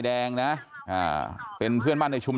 ใช่ค่ะถ่ายรูปส่งให้พี่ดูไหม